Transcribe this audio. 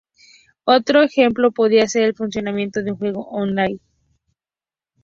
Otro ejemplo podría ser el funcionamiento de un juego online.